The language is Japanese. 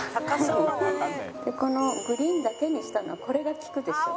グリーンだけにしたのはこれが利くでしょ？